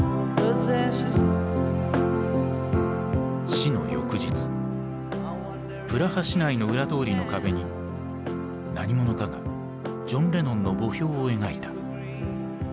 死の翌日プラハ市内の裏通りの壁に何者かがジョン・レノンの墓標を描いた。